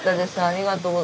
ありがとう。